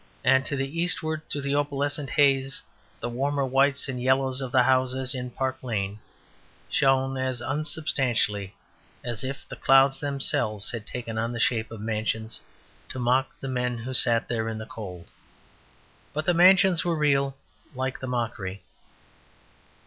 And to eastward through the opalescent haze, the warmer whites and yellows of the houses in Park lane shone as unsubstantially as if the clouds themselves had taken on the shape of mansions to mock the men who sat there in the cold. But the mansions were real like the mockery.